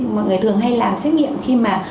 mọi người thường hay làm xét nghiệm khi mà